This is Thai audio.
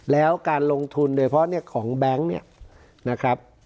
แล้วการลงทุนโดยเพราะเนี่ยของแบงค์เนี่ยนะครับ